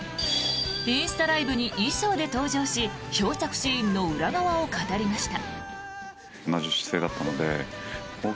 インスタライブに衣装で登場し漂着シーンの裏側を語りました。